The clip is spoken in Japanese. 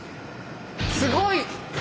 すごい！